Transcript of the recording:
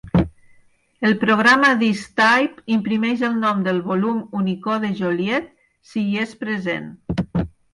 El programa "disktype" imprimeix el nom del volum Unicode Joliet, si hi éspresent.